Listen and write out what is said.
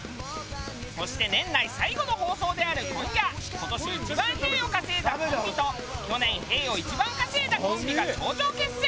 そして年内最後の放送である今夜今年一番「へぇ」を稼いだコンビと去年「へぇ」を一番稼いだコンビが頂上決戦。